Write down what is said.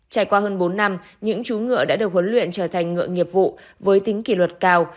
trải qua hơn bốn năm những chú ngựa đã được huấn luyện trở thành ngựa nghiệp vụ với tính kỷ luật cao